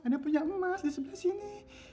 anda punya emas di sebelah sini